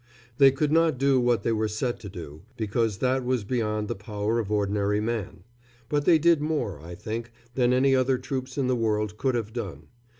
They could not do what they were set to do, because that was beyond the power of ordinary man; but they did more, I think, than any other troops in the world could have done.